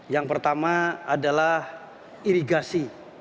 yang pertama adalah irigasi